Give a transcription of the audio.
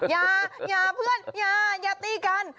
ยายาเพื่อนยายาตีกัน